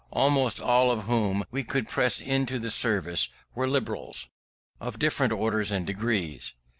Almost all whom we could press into the service were Liberals, of different orders and degrees.